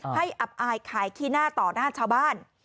อับอายขายขี้หน้าต่อหน้าชาวบ้าน